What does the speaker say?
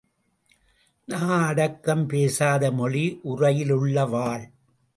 நா அடக்கம் பேசாத மொழி உறையிலுள்ள வாள்.